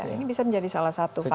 ini bisa menjadi salah satu faktor